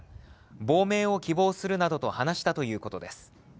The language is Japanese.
亡命を希望するなどと話したということです。